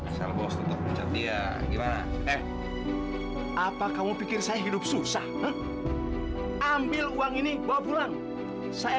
asalkan nona gak perlu mempermalukan diri sendiri di jalanan